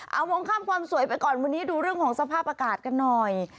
เอามองข้ามความสวยไปก่อนวันนี้ดูเรื่องของสภาพอากาศกันหน่อย